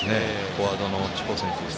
フォワードのチュポ選手。